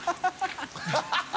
ハハハ